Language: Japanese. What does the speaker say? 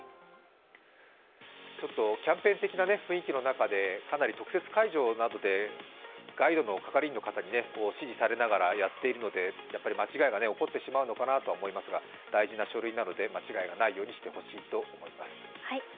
ちょっとキャンペーン的な中でかなり特設会場などでガイドの係員の方に指示されながらやっているので間違いが起こってしまうのかなと思いますが大事な書類なので間違いがないようにしてほしいと思います。